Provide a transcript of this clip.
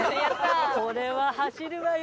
これは走るわよ。